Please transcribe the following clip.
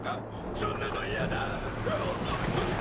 そんなの嫌だ！